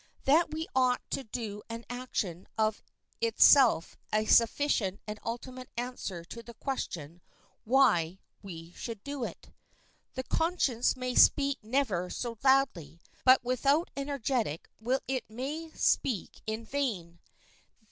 That we ought to do an action is of itself a sufficient and ultimate answer to the question why we should do it. The conscience may speak never so loudly, but without energetic will it may speak in vain.